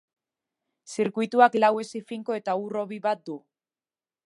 Zirkuituak lau hesi finko eta ur hobi bat du.